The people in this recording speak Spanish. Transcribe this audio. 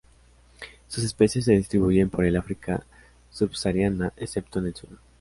Sus especies se distribuyen por el África subsahariana, excepto en el sur.